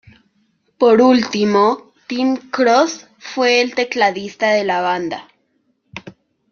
Por último, Tim Cross fue el tecladista de la banda.